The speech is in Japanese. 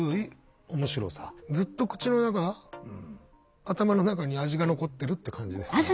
ずっと口の中頭の中に味が残ってるって感じですね。